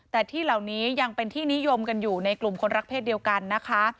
แต่ที่เหล่านี้ยังเป็นที่นิยมกันอยู่ในกลุ่มคนรักเศษเดียวกันนะคะ